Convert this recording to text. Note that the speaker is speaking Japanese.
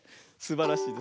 すばらしい。